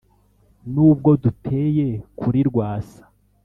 n’ubwo duteye kuri rwasa